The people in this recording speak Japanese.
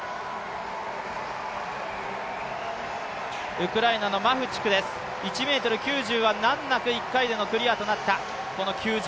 ウクライナのマフチクです、１ｍ９０は１回目で難なくクリアとなった。